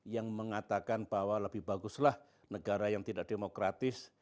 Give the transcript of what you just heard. yang mengatakan bahwa lebih baguslah negara yang tidak demokratis